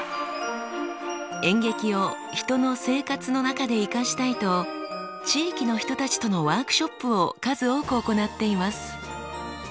演劇を人の生活の中で生かしたいと地域の人たちとのワークショップを数多く行っています。